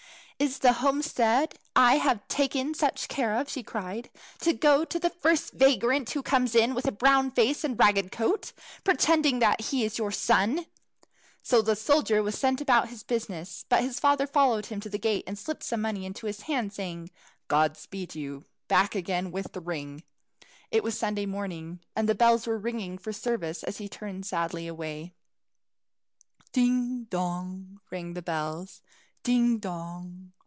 "Is the homestead I have taken such care of," she cried, "to go to the first vagrant who comes in with a brown face and a ragged coat, pretending that he is your son?" So the soldier was sent about his business; but his father followed him to the gate, and slipped some money into his hand, saying, "God speed you back again with the ring!" It was Sunday morning, and the bells were ringing for service as he turned sadly away. "Ding, dong!" rang the bells, "ding, dong!